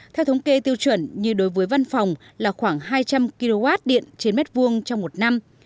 theo thống kê tiêu chuẩn như đối với văn phòng là khoảng hai trăm linh kw điện trên mét vuông trong một năm